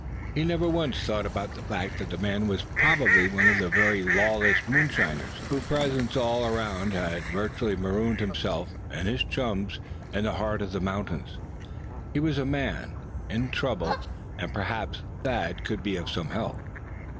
He never once thought about the fact that the man was very probably one of those very lawless moonshiners, whose presence all around had virtually marooned himself and chums in the heart of the mountains. He was a man, and in trouble; and perhaps Thad could be of some help!